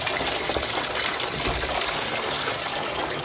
หลายคลอน